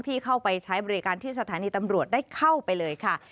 ที่เข้าไปใช้บริการที่สถานีตำรวจได้เข้าไปเลยค่ะ